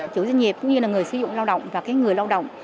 chủ doanh nghiệp cũng như là người sử dụng lao động và người lao động